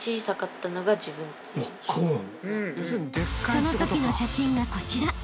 ［そのときの写真がこちら］